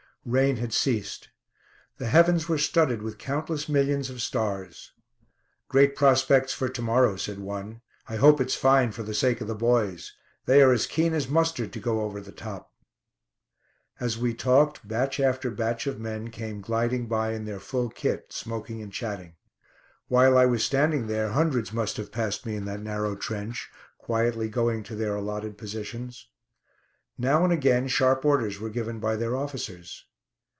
Rain had ceased. The heavens were studded with countless millions of stars. "Great prospects for to morrow," said one. "I hope it's fine, for the sake of the boys. They are as keen as mustard to go over the top." As we talked, batch after batch of men came gliding by in their full kit, smoking and chatting. While I was standing there hundreds must have passed me in that narrow trench, quietly going to their allotted positions. Now and again sharp orders were given by their officers.